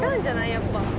やっぱ。